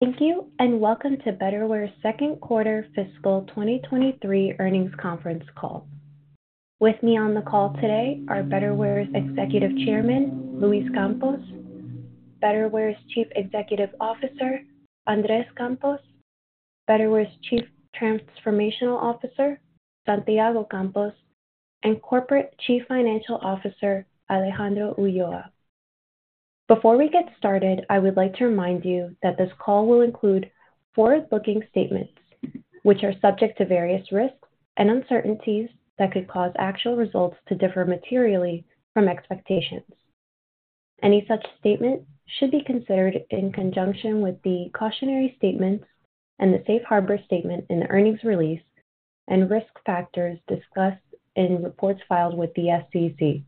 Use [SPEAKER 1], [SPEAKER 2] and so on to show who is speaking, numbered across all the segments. [SPEAKER 1] Thank you, welcome to Betterware's Q2 fiscal 2023 earnings conference call. With me on the call today are Betterware's Executive Chairman, Luis Campos, Betterware's Chief Executive Officer, Andres Campos, Betterware's Chief Transformation Officer, Santiago Campos, and Corporate Chief Financial Officer, Alejandro Ulloa. Before we get started, I would like to remind you that this call will include forward-looking statements, which are subject to various risks and uncertainties that could cause actual results to differ materially from expectations. Any such statement should be considered in conjunction with the cautionary statements and the safe harbor statement in the earnings release and risk factors discussed in reports filed with the SEC.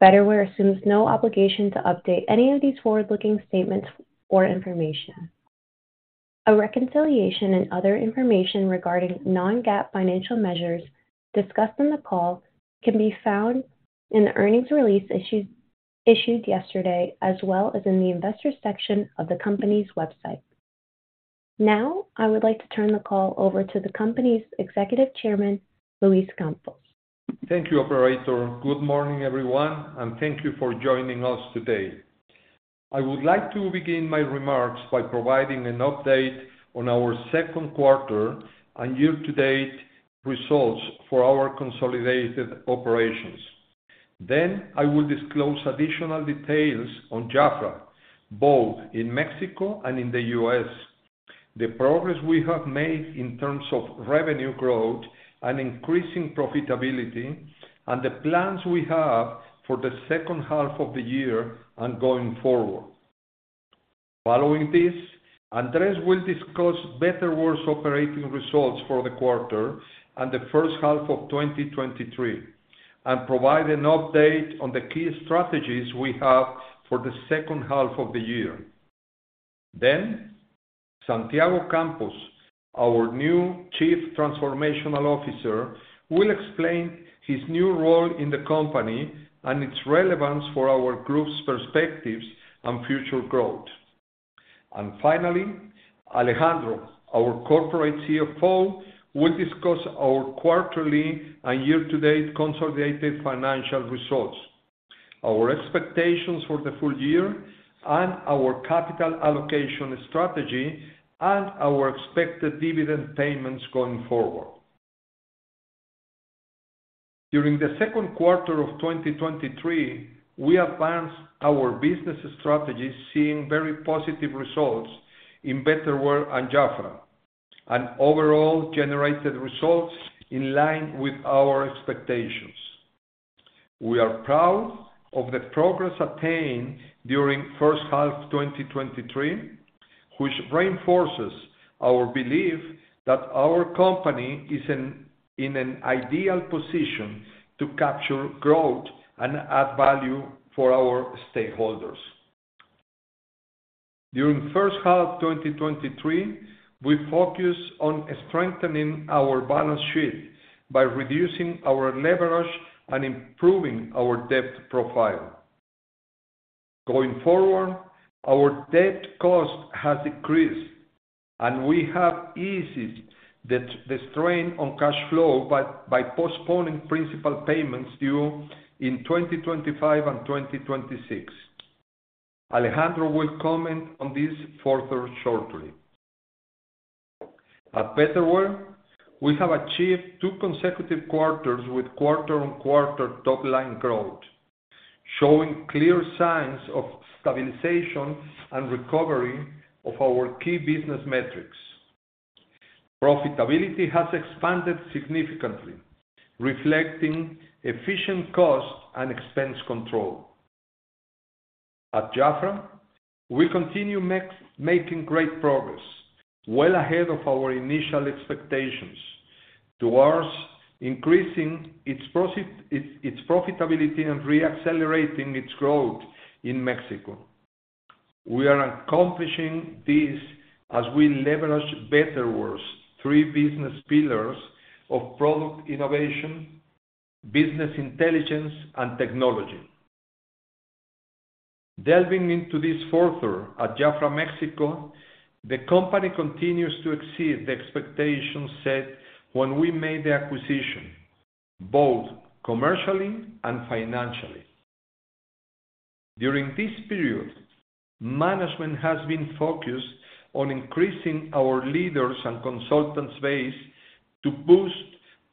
[SPEAKER 1] Betterware assumes no obligation to update any of these forward-looking statements or information. A reconciliation and other information regarding non-GAAP financial measures discussed on the call can be found in the earnings release issued yesterday, as well as in the investor section of the company's website. I would like to turn the call over to the company's Executive Chairman, Luis Campos.
[SPEAKER 2] Thank you, operator. Good morning, everyone, and thank you for joining us today. I would like to begin my remarks by providing an update on our Q2 and year-to-date results for our consolidated operations. I will disclose additional details on Jafra, both in Mexico and in the U.S., the progress we have made in terms of revenue growth and increasing profitability, and the plans we have for the second half of the year and going forward. Following this, Andres will discuss Betterware's operating results for the quarter and the first half of 2023, and provide an update on the key strategies we have for the second half of the year. Santiago Campos, our new Chief Transformation Officer, will explain his new role in the company and its relevance for our group's perspectives and future growth. Finally, Alejandro, our Corporate CFO, will discuss our quarterly and year-to-date consolidated financial results, our expectations for the full year, our capital allocation strategy, and our expected dividend payments going forward. During the Q2 of 2023, we advanced our business strategy, seeing very positive results in Betterware and Jafra, and overall generated results in line with our expectations. We are proud of the progress attained during first half 2023, which reinforces our belief that our company is in an ideal position to capture growth and add value for our stakeholders. During first half 2023, we focused on strengthening our balance sheet by reducing our leverage and improving our debt profile. Going forward, our debt cost has decreased, and we have eased the strain on cash flow by postponing principal payments due in 2025 and 2026. Alejandro will comment on this further shortly. At Betterware, we have achieved two consecutive quarters with quarter-on-quarter top-line growth, showing clear signs of stabilization and recovery of our key business metrics. Profitability has expanded significantly, reflecting efficient cost and expense control. At Jafra, we continue making great progress, well ahead of our initial expectations, towards increasing its profitability and re-accelerating its growth in Mexico. We are accomplishing this as we leverage Betterware's three business pillars of product innovation, business intelligence, and technology. Delving into this further, at Jafra Mexico, the company continues to exceed the expectations set when we made the acquisition, both commercially and financially. During this period, management has been focused on increasing our leaders and consultants base to boost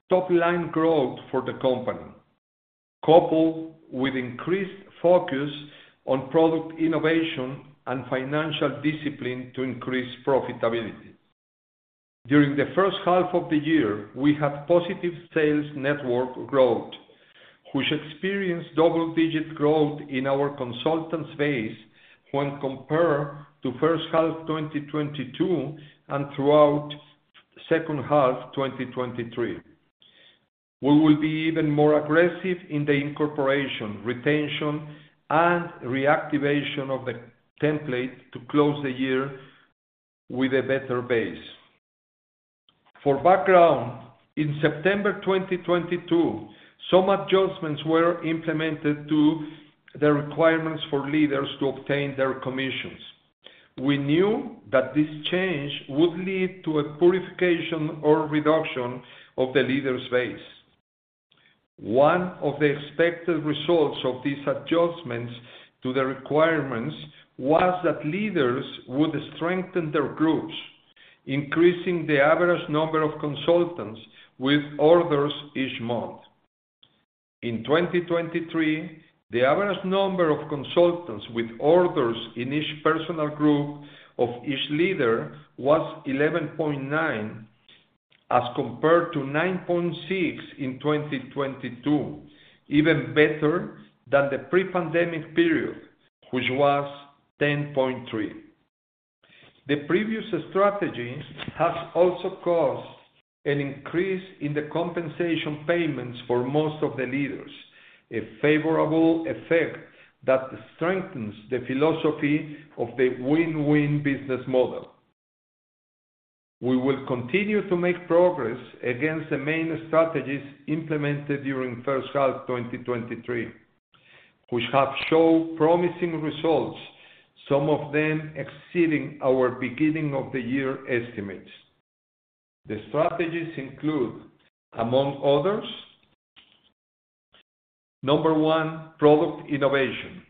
[SPEAKER 2] top-line growth for the company, coupled with increased focus on product innovation and financial discipline to increase profitability. During the first half of the year, we have positive sales network growth, which experienced double-digit growth in our consultants base when compared to first half 2022 and throughout second half 2023. We will be even more aggressive in the incorporation, retention, and reactivation of the template to close the year with a better base....For background, in September 2022, some adjustments were implemented to the requirements for leaders to obtain their commissions. We knew that this change would lead to a purification or reduction of the leaders' base. One of the expected results of these adjustments to the requirements was that leaders would strengthen their groups, increasing the average number of consultants with orders each month. In 2023, the average number of consultants with orders in each personal group of each leader was 11.9, as compared to 9.6 in 2022, even better than the pre-pandemic period, which was 10.3. The previous strategy has also caused an increase in the compensation payments for most of the leaders, a favorable effect that strengthens the philosophy of the win-win business model. We will continue to make progress against the main strategies implemented during first half 2023, which have shown promising results, some of them exceeding our beginning of the year estimates. The strategies include, among others: number one, product innovation.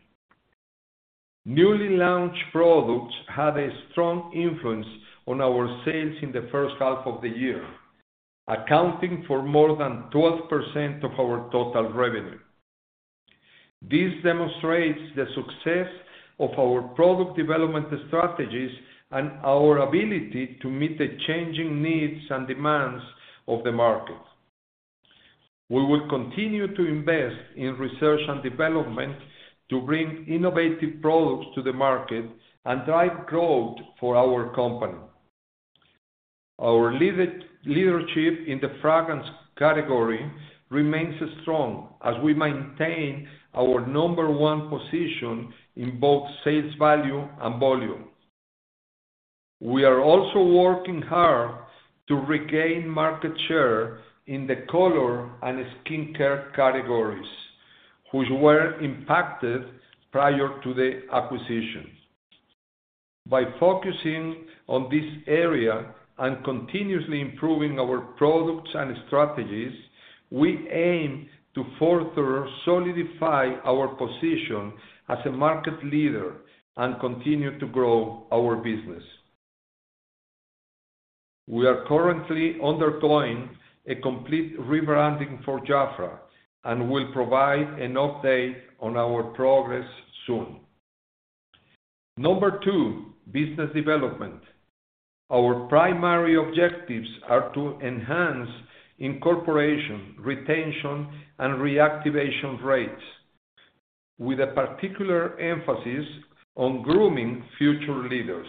[SPEAKER 2] Newly launched products had a strong influence on our sales in the first half of the year, accounting for more than 12% of our total revenue. This demonstrates the success of our product development strategies and our ability to meet the changing needs and demands of the market. We will continue to invest in research and development to bring innovative products to the market and drive growth for our company. Our leadership in the fragrance category remains strong as we maintain our number one position in both sales value and volume. We are also working hard to regain market share in the color and skincare categories, which were impacted prior to the acquisition. By focusing on this area and continuously improving our products and strategies, we aim to further solidify our position as a market leader and continue to grow our business. We are currently undergoing a complete rebranding for Jafra and will provide an update on our progress soon. Number two, business development. Our primary objectives are to enhance incorporation, retention, and reactivation rates, with a particular emphasis on grooming future leaders.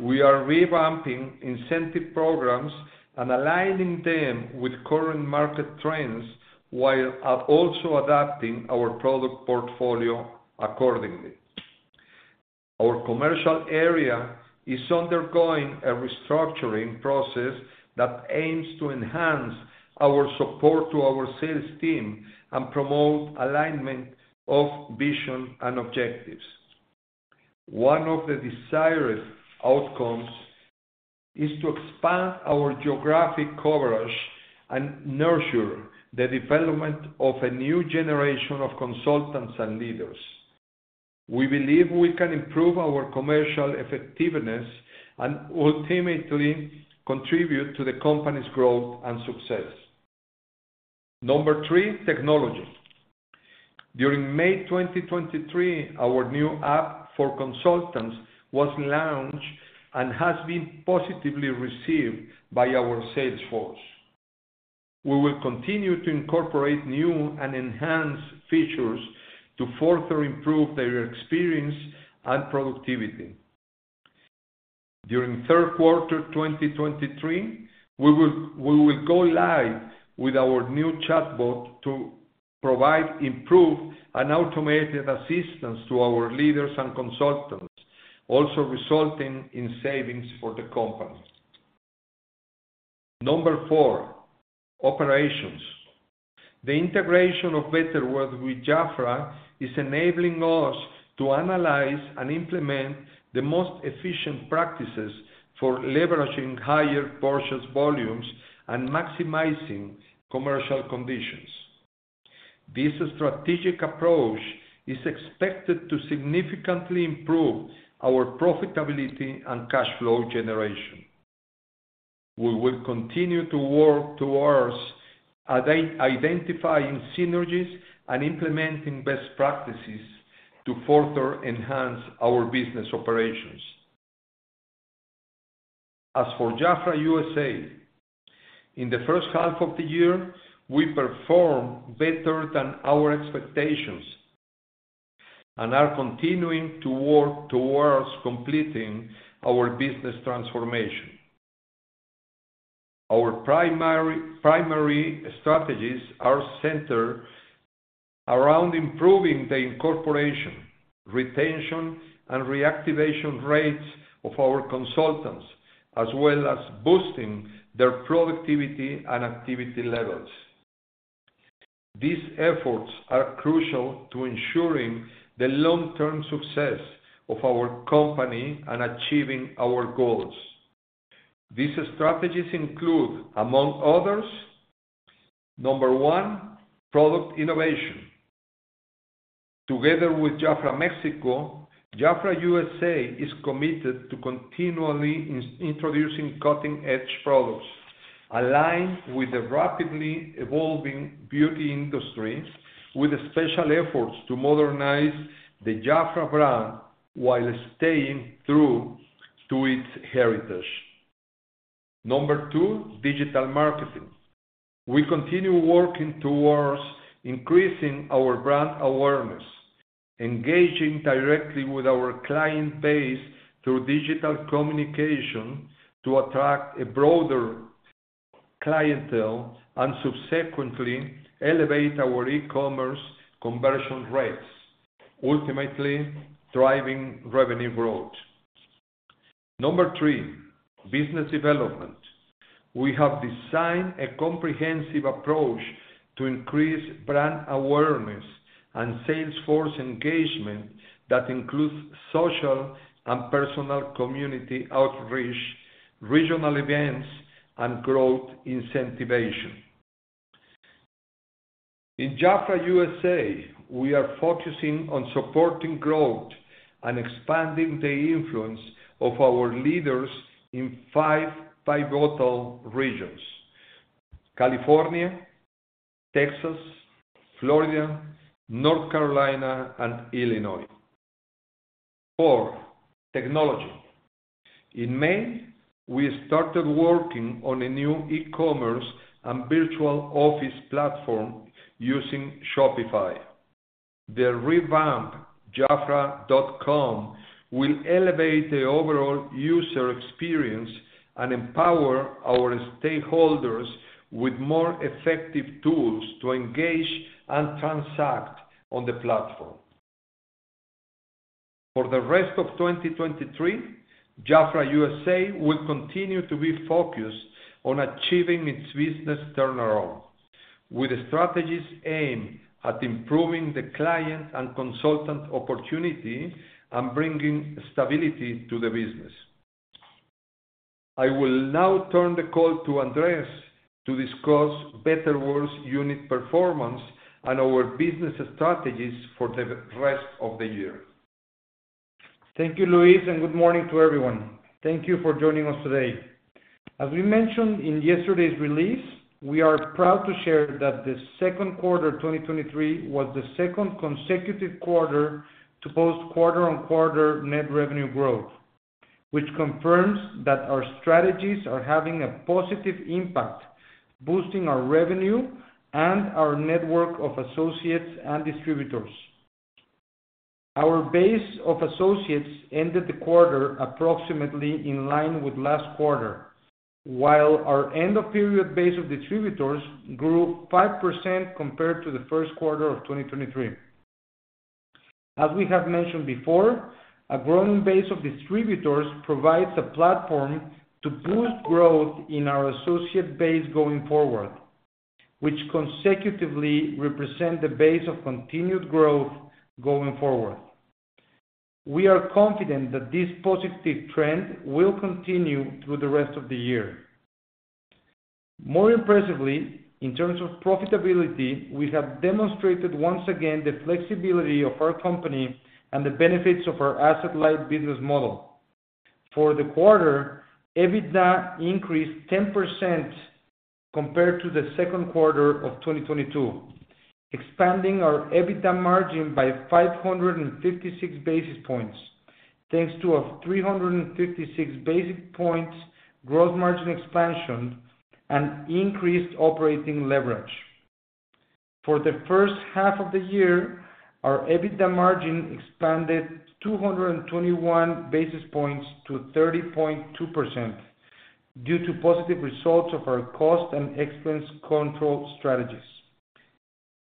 [SPEAKER 2] We are revamping incentive programs and aligning them with current market trends, while also adapting our product portfolio accordingly. Our commercial area is undergoing a restructuring process that aims to enhance our support to our sales team and promote alignment of vision and objectives. One of the desired outcomes is to expand our geographic coverage and nurture the development of a new generation of consultants and leaders. We believe we can improve our commercial effectiveness and ultimately contribute to the company's growth and success. Number three, technology. During May 2023, our new app for consultants was launched and has been positively received by our sales force. We will continue to incorporate new and enhanced features to further improve their experience and productivity. During Q3 2023, we will go live with our new chatbot to provide improved and automated assistance to our leaders and consultants, also resulting in savings for the company. Number four, operations. The integration of Betterware with Jafra is enabling us to analyze and implement the most efficient practices for leveraging higher purchase volumes and maximizing commercial conditions. This strategic approach is expected to significantly improve our profitability and cash flow generation. We will continue to work towards identifying synergies and implementing best practices to further enhance our business operations. As for Jafra USA, in the first half of the year, we performed better than our expectations and are continuing to work towards completing our business transformation. Our primary strategies are centered around improving the incorporation, retention, and reactivation rates of our consultants, as well as boosting their productivity and activity levels. These efforts are crucial to ensuring the long-term success of our company and achieving our goals. These strategies include, among others, Number one, product innovation. Together with Jafra Mexico, Jafra USA is committed to continually introducing cutting-edge products, aligned with the rapidly evolving beauty industry, with special efforts to modernize the Jafra brand while staying true to its heritage. Number two, digital marketing. We continue working towards increasing our brand awareness, engaging directly with our client base through digital communication to attract a broader clientele, and subsequently elevate our e-commerce conversion rates, ultimately driving revenue growth. Number three, business development. We have designed a comprehensive approach to increase brand awareness and sales force engagement that includes social and personal community outreach, regional events, and growth incentivation. In Jafra USA, we are focusing on supporting growth and expanding the influence of our leaders in five pivotal regions: California, Texas, Florida, North Carolina, and Illinois. Four, technology. In May, we started working on a new e-commerce and virtual office platform using Shopify. The revamped jafra.com will elevate the overall user experience and empower our stakeholders with more effective tools to engage and transact on the platform. For the rest of 2023, Jafra USA will continue to be focused on achieving its business turnaround, with strategies aimed at improving the client and consultant opportunity and bringing stability to the business. I will now turn the call to Andres to discuss Betterware's unit performance and our business strategies for the rest of the year.
[SPEAKER 3] Thank you, Luis. Good morning to everyone. Thank you for joining us today. As we mentioned in yesterday's release, we are proud to share that the Q2 of 2023 was the second consecutive quarter to post quarter-on-quarter net revenue growth, which confirms that our strategies are having a positive impact, boosting our revenue and our network of associates and distributors. Our base of associates ended the quarter approximately in line with last quarter, while our end-of-period base of distributors grew 5% compared to the Q1 of 2023. As we have mentioned before, a growing base of distributors provides a platform to boost growth in our associate base going forward, which consecutively represent the base of continued growth going forward. We are confident that this positive trend will continue through the rest of the year. More impressively, in terms of profitability, we have demonstrated once again the flexibility of our company and the benefits of our asset-light business model. For the quarter, EBITDA increased 10% compared to the Q2 of 2022, expanding our EBITDA margin by 556 basis points, thanks to a 356 basis points growth margin expansion and increased operating leverage. For the first half of the year, our EBITDA margin expanded 221 basis points to 30.2% due to positive results of our cost and expense control strategies.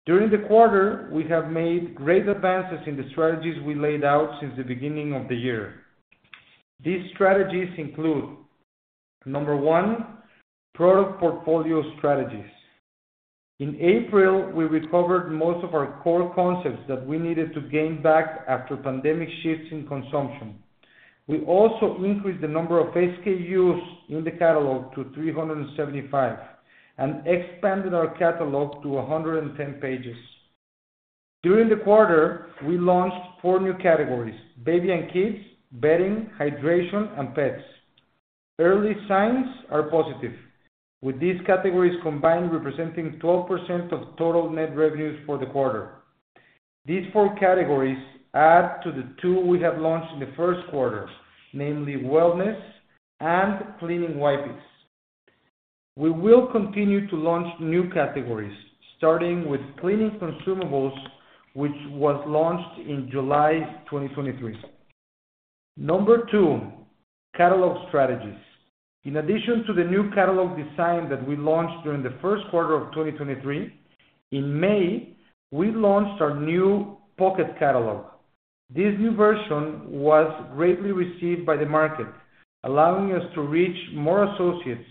[SPEAKER 3] During the quarter, we have made great advances in the strategies we laid out since the beginning of the year. These strategies include, number one, product portfolio strategies. In April, we recovered most of our core concepts that we needed to gain back after pandemic shifts in consumption. We also increased the number of SKUs in the catalog to 375 and expanded our catalog to 110 pages. During the quarter, we launched four new categories: Baby & Kids, Bedding, Hydration, and Pets. Early signs are positive, with these categories combined representing 12% of total net revenues for the quarter. These four categories add to the two we have launched in the Q1, namely wellness and cleaning wipes. We will continue to launch new categories, starting with cleaning consumables, which was launched in July 2023. Number two, catalog strategies. In addition to the new catalog design that we launched during the Q1 of 2023, in May, we launched our new pocket catalog. This new version was greatly received by the market, allowing us to reach more associates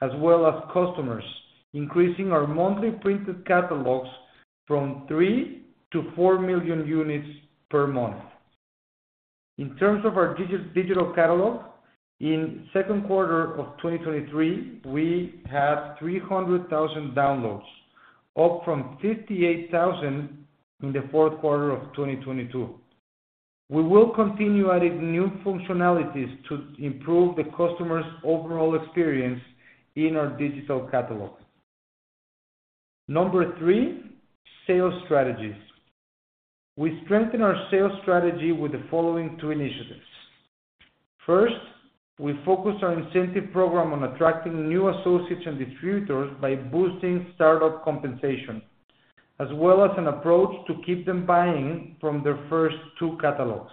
[SPEAKER 3] as well as customers, increasing our monthly printed catalogs from 3 million-4 million units per month. In terms of our digital catalog, in Q2 2023, we had 300,000 downloads, up from 58,000 in the Q4 2022. We will continue adding new functionalities to improve the customer's overall experience in our digital catalog. Number three, sales strategies. We strengthen our sales strategy with the following two initiatives: First, we focus our incentive program on attracting new associates and distributors by boosting startup compensation, as well as an approach to keep them buying from their first two catalogs.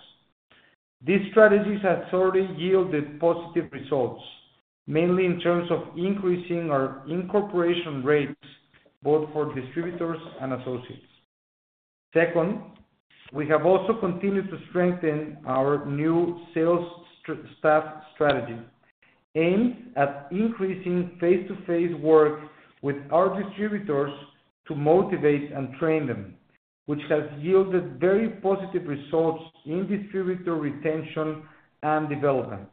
[SPEAKER 3] These strategies have already yielded positive results, mainly in terms of increasing our incorporation rates, both for distributors and associates. Second, we have also continued to strengthen our new sales staff strategy, aimed at increasing face-to-face work with our distributors to motivate and train them, which has yielded very positive results in distributor retention and development.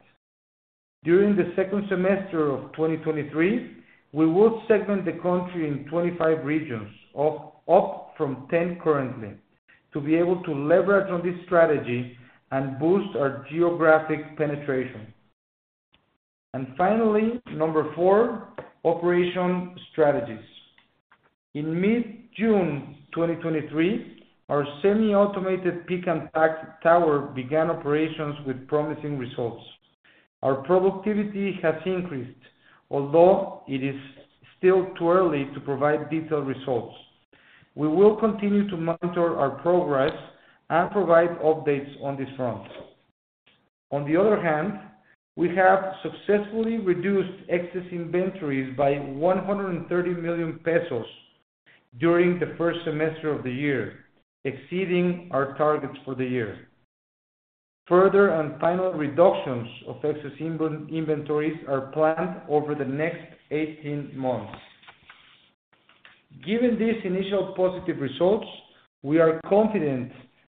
[SPEAKER 3] During the second semester of 2023, we will segment the country in 25 regions, up from 10 currently, to be able to leverage on this strategy and boost our geographic penetration. Finally, number four, operation strategies. In mid-June 2023, our semi-automated pick and pack tower began operations with promising results. Our productivity has increased, although it is still too early to provide detailed results. We will continue to monitor our progress and provide updates on this front. On the other hand, we have successfully reduced excess inventories by 130 million pesos during the first semester of the year, exceeding our targets for the year. Further final reductions of excess inventories are planned over the next 18 months. Given these initial positive results, we are confident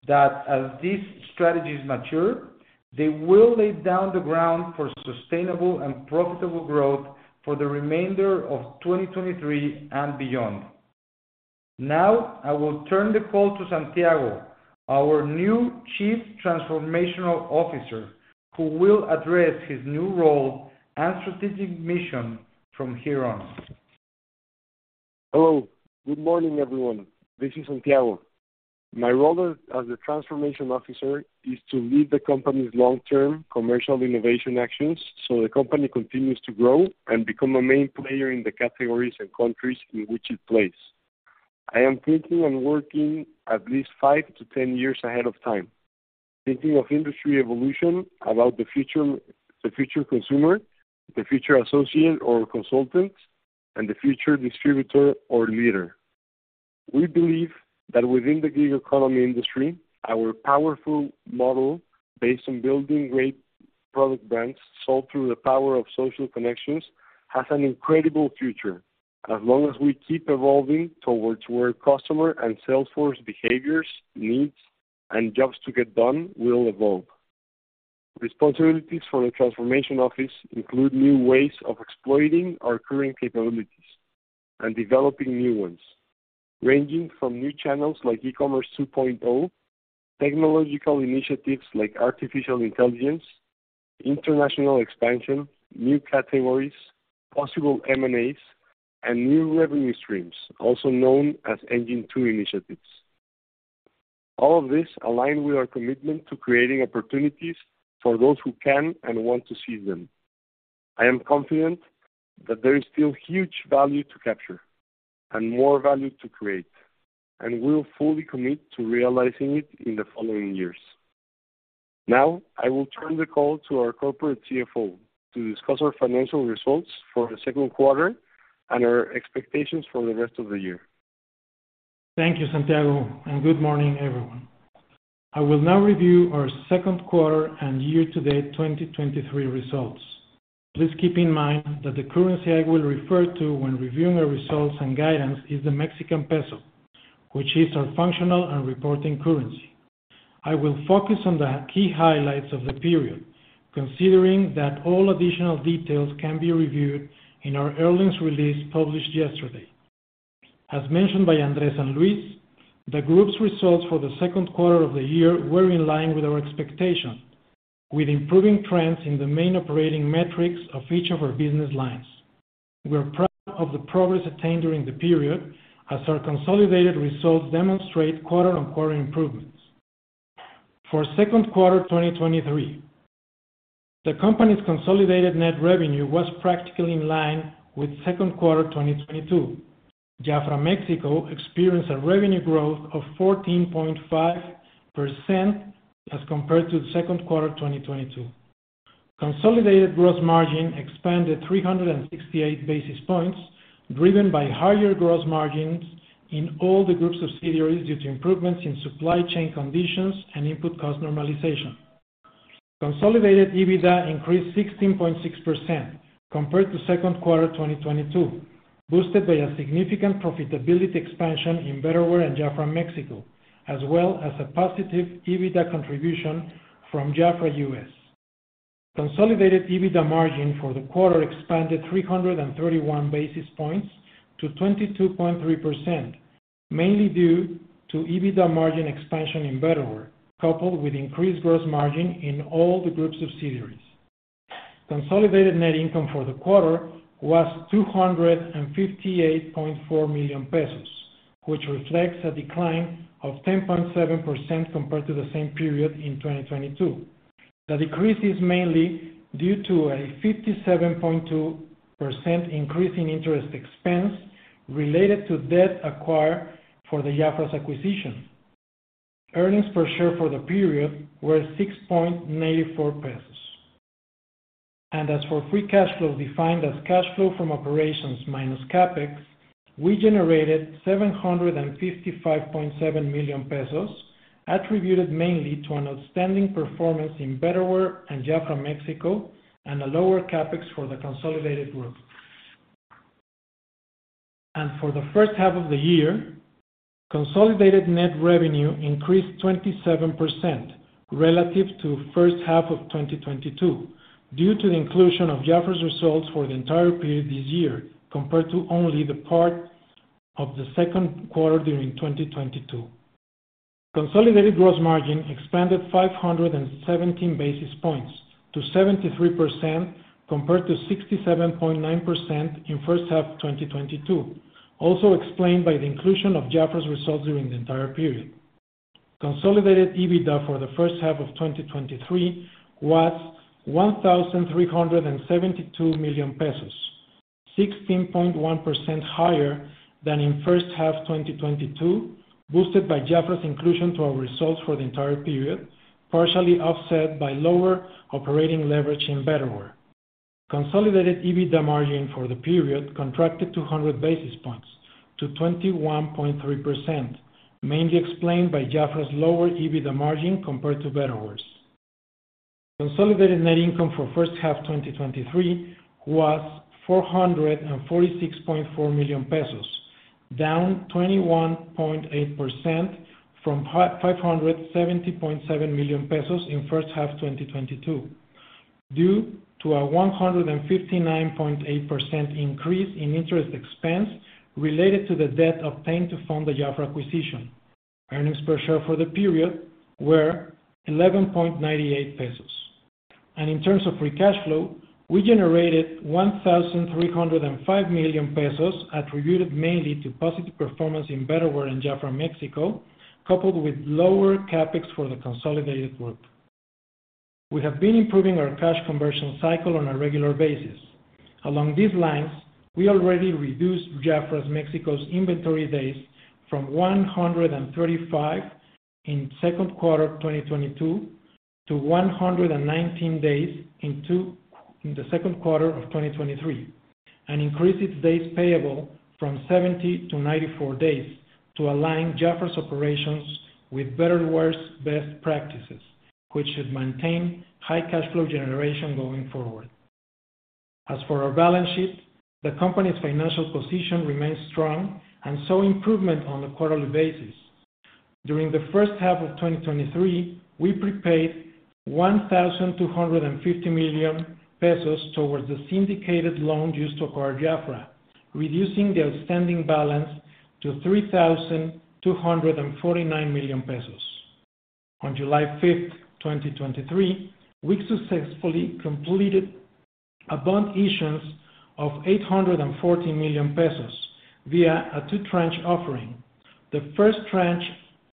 [SPEAKER 3] that as these strategies mature, they will lay down the ground for sustainable and profitable growth for the remainder of 2023 and beyond. I will turn the call to Santiago, our new Chief Transformation Officer, who will address his new role and strategic mission from here on.
[SPEAKER 4] Hello, good morning, everyone. This is Santiago. My role as, as a Chief Transformation Officer is to lead the company's long-term commercial innovation actions, so the company continues to grow and become a main player in the categories and countries in which it plays. I am thinking and working at least five to 10 years ahead of time, thinking of industry evolution, about the future, the future consumer, the future associate or consultant, and the future distributor or leader. We believe that within the gig economy industry, our powerful model, based on building great product brands sold through the power of social connections, has an incredible future, as long as we keep evolving towards where customer and sales force behaviors, needs, and jobs to get done will evolve. Responsibilities for the transformation office include new ways of exploiting our current capabilities and developing new ones, ranging from new channels like e-commerce 2.0, technological initiatives like artificial intelligence, international expansion, new categories, possible M&As, and new revenue streams, also known as engine 2 initiatives. All of this align with our commitment to creating opportunities for those who can and want to seize them. I am confident that there is still huge value to capture and more value to create, and we will fully commit to realizing it in the following years. I will turn the call to our Corporate CFO to discuss our financial results for the Q2 and our expectations for the rest of the year.
[SPEAKER 5] Thank you, Santiago. Good morning, everyone. I will now review our Q2 and year-to-date 2023 results. Please keep in mind that the currency I will refer to when reviewing our results and guidance is the Mexican peso, which is our functional and reporting currency. I will focus on the key highlights of the period, considering that all additional details can be reviewed in our earnings release published yesterday. As mentioned by Andres and Luis, the group's results for the Q2 of the year were in line with our expectations, with improving trends in the main operating metrics of each of our business lines. We are proud of the progress attained during the period, as our consolidated results demonstrate quarter-on-quarter improvements. For Q2 2023. The company's consolidated net revenue was practically in line with Q2 2022. Jafra Mexico experienced a revenue growth of 14.5% as compared to the Q2 of 2022. Consolidated gross margin expanded 368 basis points, driven by higher gross margins in all the group's subsidiaries due to improvements in supply chain conditions and input cost normalization. Consolidated EBITDA increased 16.6% compared to Q2 2022, boosted by a significant profitability expansion in Betterware and Jafra Mexico, as well as a positive EBITDA contribution from Jafra U.S. Consolidated EBITDA margin for the quarter expanded 331 basis points to 22.3%, mainly due to EBITDA margin expansion in Betterware, coupled with increased gross margin in all the group's subsidiaries. Consolidated net income for the quarter was 258.4 million pesos, which reflects a decline of 10.7% compared to the same period in 2022. The decrease is mainly due to a 57.2% increase in interest expense related to debt acquired for the Jafra acquisition. Earnings per share for the period were 6.94 pesos. As for free cash flow, defined as cash flow from operations minus CapEx, we generated 755.7 million pesos, attributed mainly to an outstanding performance in Betterware and Jafra Mexico, and a lower CapEx for the consolidated group. For the first half of the year, consolidated net revenue increased 27% relative to first half of 2022, due to the inclusion of Jafra's results for the entire period this year, compared to only the part of the Q2 during 2022. Consolidated gross margin expanded 517 basis points to 73%, compared to 67.9% in first half of 2022, also explained by the inclusion of Jafra's results during the entire period. Consolidated EBITDA for the first half of 2023 was 1,372 million pesos, 16.1% higher than in first half of 2022, boosted by Jafra's inclusion to our results for the entire period, partially offset by lower operating leverage in Betterware. Consolidated EBITDA margin for the period contracted 200 basis points to 21.3%, mainly explained by Jafra's lower EBITDA margin compared to Betterware's. Consolidated net income for first half 2023 was 446.4 million pesos, down 21.8% from 570.7 million pesos in first half 2022, due to a 159.8% increase in interest expense related to the debt obtained to fund the Jafra acquisition. Earnings per share for the period were 11.98 pesos. In terms of free cash flow, we generated 1,305 million pesos, attributed mainly to positive performance in Betterware and Jafra Mexico, coupled with lower CapEx for the consolidated group. We have been improving our cash conversion cycle on a regular basis. Along these lines, we already reduced Jafra Mexico's inventory days from 135 in Q2 of 2022 to 119 days in the Q2 of 2023, and increased its days payable from 70 to 94 days to align Jafra's operations with Betterware's best practices, which should maintain high cash flow generation going forward. As for our balance sheet, the company's financial position remains strong and saw improvement on a quarterly basis. During the first half of 2023, we prepaid 1,250 million pesos towards the syndicated loan used to acquire Jafra, reducing the outstanding balance to 3,249 million pesos. On July 5th, 2023, we successfully completed a bond issuance of 840 million pesos via a two-tranche offering. The first tranche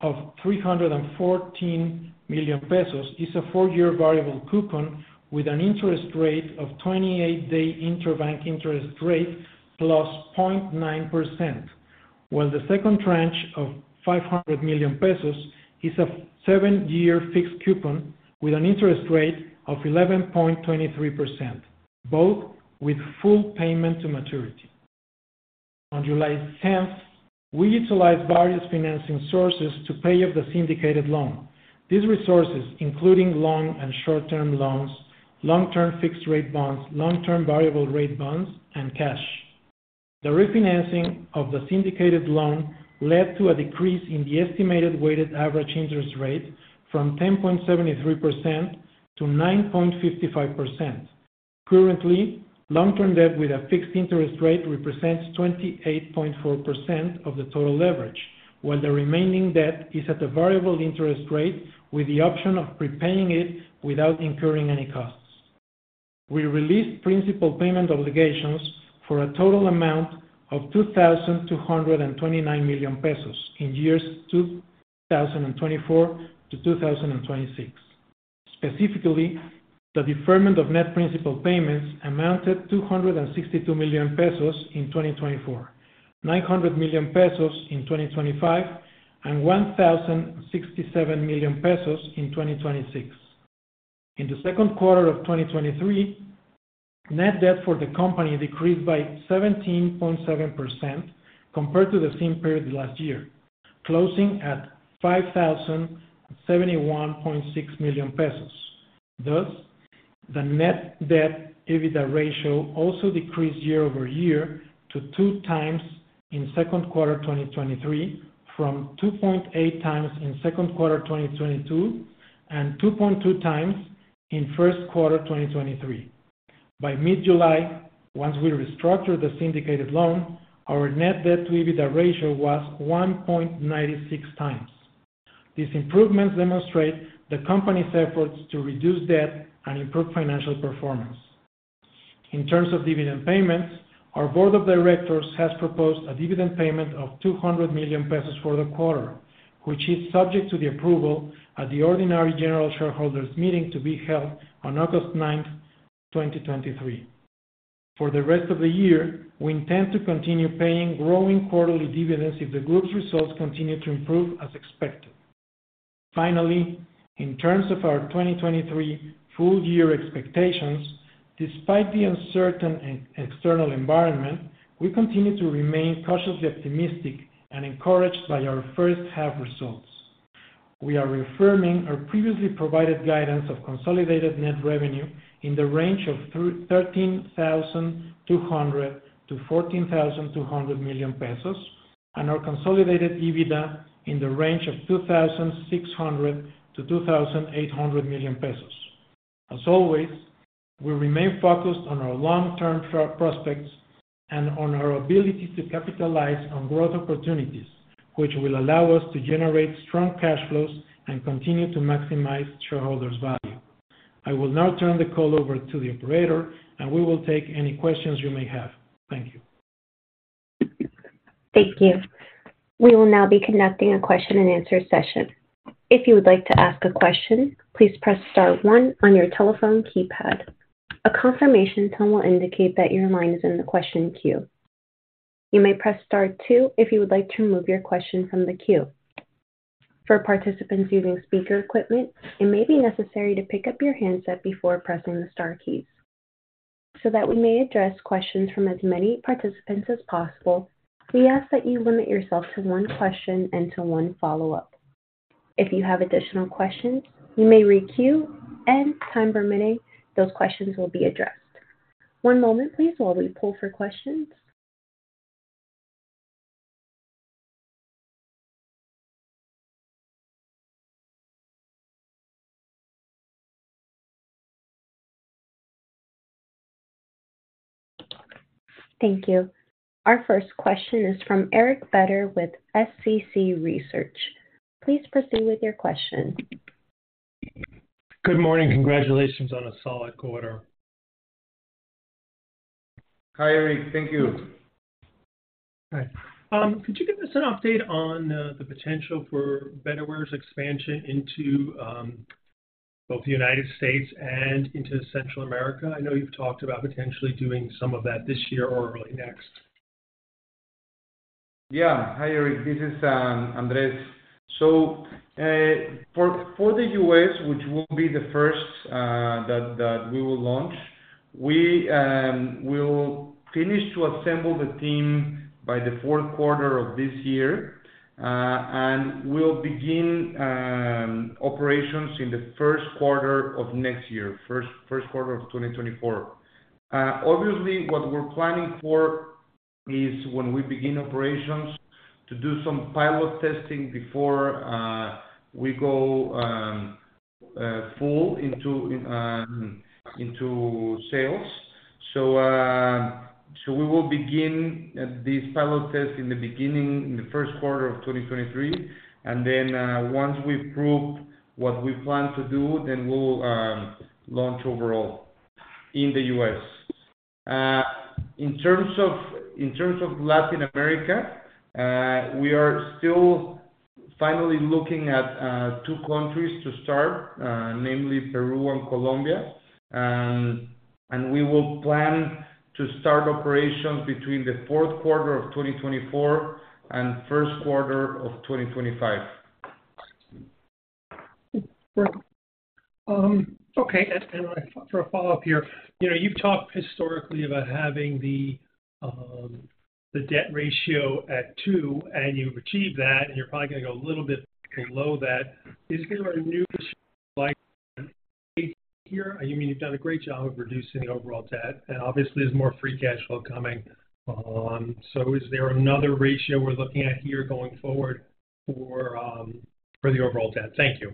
[SPEAKER 5] of 314 million pesos is a four-year variable coupon with an interest rate of 28-day interbank interest rate plus .9%, while the second tranche of 500 million pesos is a seven-year fixed coupon with an interest rate of 11.23%, both with full payment to maturity. On July 10th, we utilized various financing sources to pay off the syndicated loan. These resources, including long and short-term loans, long-term fixed-rate bonds, long-term variable-rate bonds, and cash. The refinancing of the syndicated loan led to a decrease in the estimated weighted average interest rate from 10.73% to 9.55%. Currently, long-term debt with a fixed interest rate represents 28.4% of the total leverage, while the remaining debt is at a variable interest rate, with the option of prepaying it without incurring any costs... we released principal payment obligations for a total amount of 2,229 million pesos in years 2024 to 2026. Specifically, the deferment of net principal payments amounted 262 million pesos in 2024, 900 million pesos in 2025, and 1,067 million pesos in 2026. In the Q2 of 2023, net debt for the company decreased by 17.7% compared to the same period last year, closing at 5,071.6 million pesos. Thus, the net debt EBITDA ratio also decreased year-over-year to 2x in Q2 2023, from 2.8x in Q2 2022, and 2.2x in Q1 2023. By mid-July, once we restructured the syndicated loan, our net debt to EBITDA ratio was 1.96x. These improvements demonstrate the company's efforts to reduce debt and improve financial performance. In terms of dividend payments, our Board of Directors has proposed a dividend payment of 200 million pesos for the quarter, which is subject to the approval at the ordinary General Shareholders Meeting to be held on August 9th, 2023. For the rest of the year, we intend to continue paying growing quarterly dividends if the group's results continue to improve as expected. Finally, in terms of our 2023 full year expectations, despite the uncertain and external environment, we continue to remain cautiously optimistic and encouraged by our first half results. We are reaffirming our previously provided guidance of consolidated net revenue in the range of 13,200 million-14,200 million pesos, and our consolidated EBITDA in the range of 2,600 million-2,800 million pesos. As always, we remain focused on our long-term prospects and on our ability to capitalize on growth opportunities, which will allow us to generate strong cash flows and continue to maximize shareholders' value. I will now turn the call over to the operator, and we will take any questions you may have. Thank you.
[SPEAKER 1] Thank you. We will now be conducting a question-and-answer session. If you would like to ask a question, please press star one on your telephone keypad. A confirmation tone will indicate that your line is in the question queue. You may press star two if you would like to remove your question from the queue. For participants using speaker equipment, it may be necessary to pick up your handset before pressing the star keys. So that we may address questions from as many participants as possible, we ask that you limit yourself to one question and to one follow-up. If you have additional questions, you may re-queue, and time permitting, those questions will be addressed. One moment, please, while we pull for questions. Thank you. Our first question is from Eric Beder with SCC Research. Please proceed with your question.
[SPEAKER 6] Good morning. Congratulations on a solid quarter.
[SPEAKER 5] Hi, Eric. Thank you.
[SPEAKER 6] Hi. Could you give us an update on the potential for Betterware's expansion into both the United States and into Central America? I know you've talked about potentially doing some of that this year or early next.
[SPEAKER 3] Yeah. Hi, Eric, this is Andres. For the U.S., which will be the first that we will launch, we will finish to assemble the team by the Q4 of this year, and we'll begin operations in the Q1 of next year, Q1 of 2024. Obviously, what we're planning for is when we begin operations to do some pilot testing before we go full into sales. So we will begin these pilot tests in the Q1 of 2023. Then, once we've proved what we plan to do, then we'll launch overall in the U.S. In terms of Latin America, we are still finally looking at two countries to start, namely Peru and Colombia. We will plan to start operations between the Q4 of 2024 and Q1 of 2025.
[SPEAKER 6] Okay. For a follow-up here, you know, you've talked historically about having the debt ratio at two. You've achieved that, and you're probably gonna go a little bit below that. Is there a new like here? I mean, you've done a great job of reducing the overall debt, obviously there's more free cash flow coming. Is there another ratio we're looking at here going forward for the overall debt? Thank you.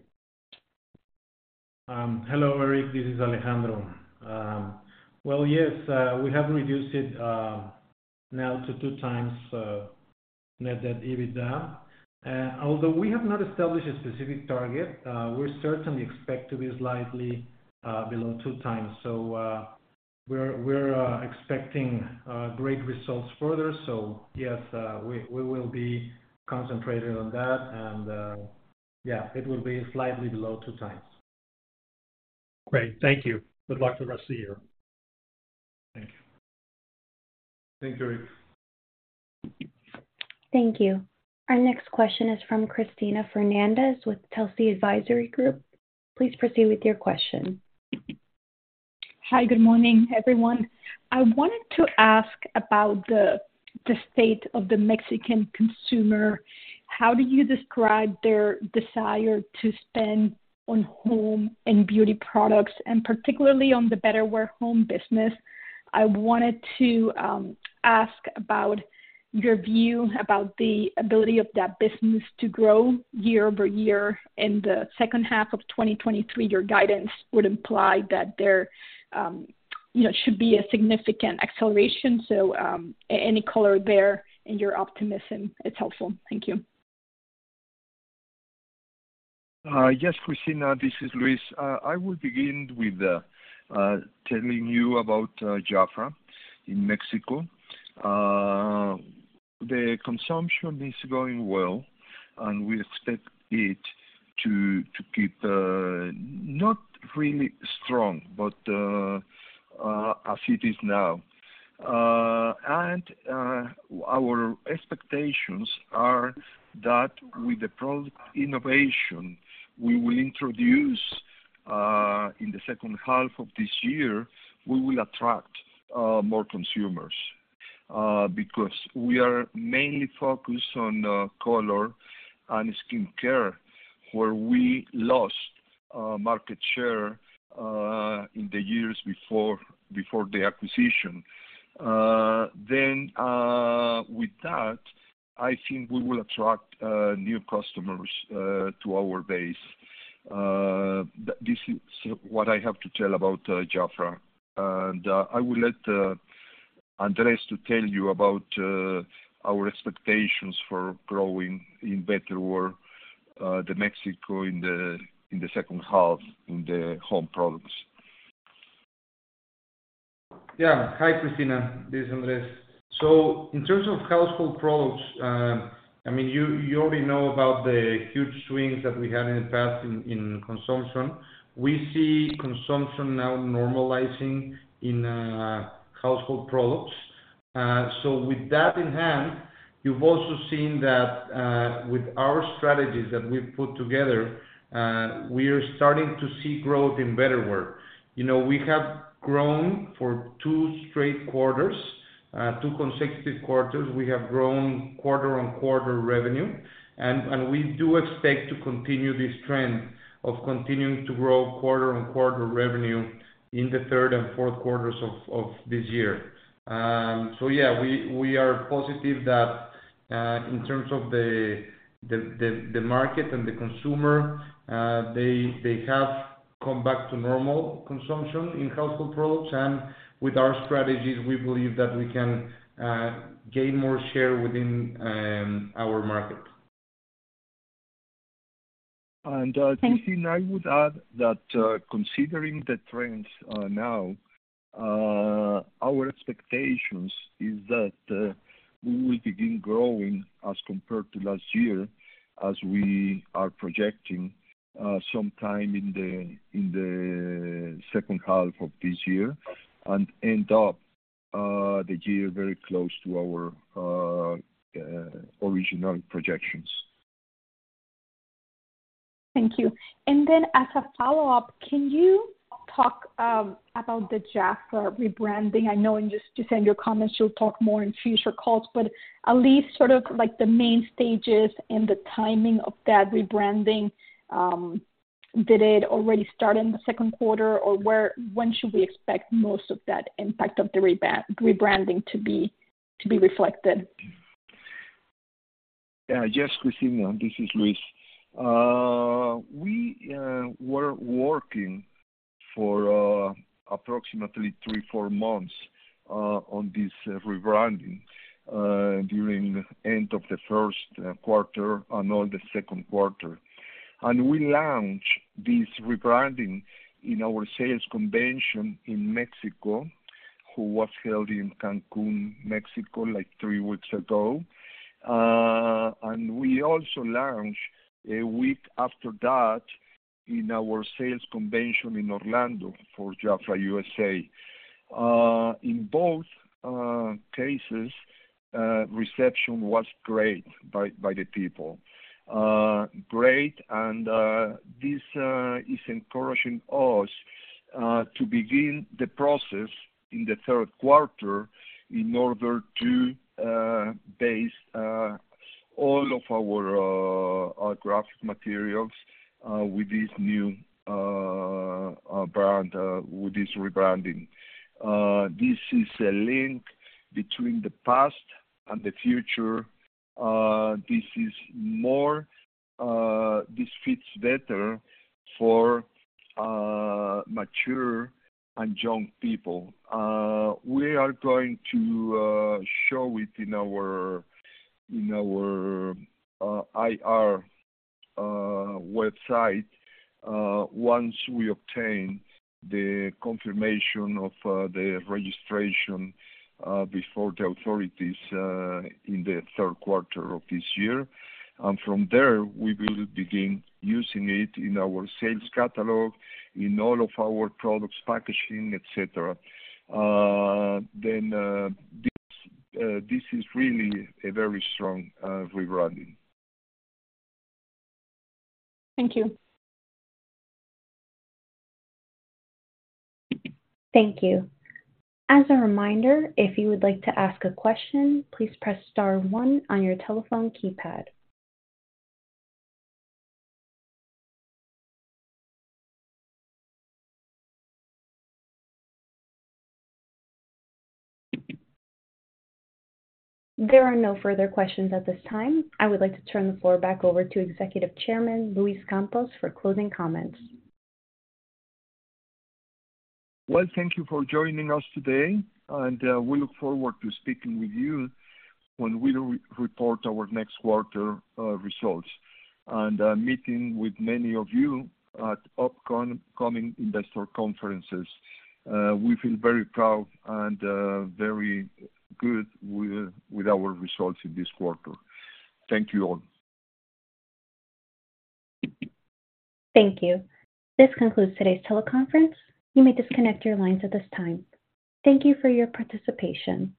[SPEAKER 5] Hello, Eric, this is Alejandro. Yes, we have reduced it, now to 2x.... net debt EBITDA. Although we have not established a specific target, we certainly expect to be slightly below 2x. We're, we're expecting great results further. Yes, we, we will be concentrated on that, and yeah, it will be slightly below 2x.
[SPEAKER 6] Great. Thank you. Good luck for the rest of the year.
[SPEAKER 5] Thank you.
[SPEAKER 3] Thanks, Eric.
[SPEAKER 1] Thank you. Our next question is from Cristina Fernandez with Telsey Advisory Group. Please proceed with your question.
[SPEAKER 7] Hi, good morning, everyone. I wanted to ask about the state of the Mexican consumer. How do you describe their desire to spend on home and beauty products, and particularly on the Betterware home business? I wanted to ask about your view about the ability of that business to grow year-over-year. In the second half of 2023, your guidance would imply that there, you know, should be a significant acceleration. Any color there in your optimism, it's helpful. Thank you.
[SPEAKER 2] Yes, Cristina, this is Luis. I will begin with the telling you about Jafra in Mexico. The consumption is going well, and we expect it to keep not really strong, but as it is now. Our expectations are that with the product innovation we will introduce in the second half of this year, we will attract more consumers because we are mainly focused on color and skincare, where we lost market share in the years before, before the acquisition. With that, I think we will attract new customers to our base. This is what I have to tell about Jafra. I will let Andres to tell you about our expectations for growing in Betterware de México in the second half, in the home products.
[SPEAKER 3] Yeah. Hi, Cristina, this is Andres. In terms of household products, I mean, you, you already know about the huge swings that we had in the past in, in consumption. We see consumption now normalizing in household products. With that in hand, you've also seen that with our strategies that we've put together, we are starting to see growth in Betterware. You know, we have grown for two straight quarters, two consecutive quarters. We have grown quarter-on-quarter revenue, and we do expect to continue this trend of continuing to grow quarter-on-quarter revenue in the third and Q4's of this year. Yeah, we, we are positive that, in terms of the, the, the, the market and the consumer, they, they have come back to normal consumption in household products, and with our strategies, we believe that we can gain more share within our market.
[SPEAKER 2] Cristina, I would add that, considering the trends, now, our expectations is that, we will begin growing as compared to last year, as we are projecting, sometime in the second half of this year, and end up, the year very close to our original projections.
[SPEAKER 7] Thank you. Then as a follow-up, can you talk about the Jafra rebranding? I know in just, you said in your comments you'll talk more in future calls, but at least sort of like the main stages and the timing of that rebranding. Did it already start in the Q2, or when should we expect most of that impact of the rebranding to be, to be reflected?
[SPEAKER 2] Yes, Cristina, this is Luis. We were working for approximately three, four months on this rebranding during end of the Q1 and all the Q2. We launched this rebranding in our sales convention in Mexico, who was held in Cancun, Mexico, like three weeks ago. We also launched a week after that in our sales convention in Orlando for Jafra USA. In both cases, reception was great by, by the people. Great, this is encouraging us to begin the process in the Q3 in order to base all of our our graphic materials with this new brand with this rebranding. This is a link between the past and the future. This is more, this fits better for mature and young people. We are going to show it in our, in our IR website, once we obtain the confirmation of the registration before the authorities in the Q3 of this year. From there, we will begin using it in our sales catalog, in all of our products, packaging, et cetera. This is really a very strong rebranding.
[SPEAKER 7] Thank you.
[SPEAKER 1] Thank you. As a reminder, if you would like to ask a question, please press star one on your telephone keypad. There are no further questions at this time. I would like to turn the floor back over to Executive Chairman, Luis Campos, for closing comments.
[SPEAKER 2] Well, thank you for joining us today, and we look forward to speaking with you when we report our next quarter results, and meeting with many of you at coming investor conferences. We feel very proud and very good with our results in this quarter. Thank you all.
[SPEAKER 1] Thank you. This concludes today's teleconference. You may disconnect your lines at this time. Thank you for your participation.